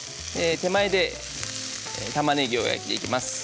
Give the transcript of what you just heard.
手前でたまねぎを焼いていきます。